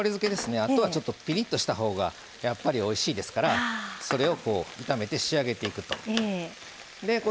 あとはピリッとしたほうがやっぱり、おいしいですからそれを炒めて仕上げていくと。